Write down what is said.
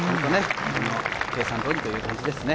計算通りという感じですね。